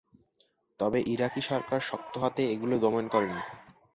তবে ইরাকি সরকার শক্ত হাতে এগুলি দমন করেন।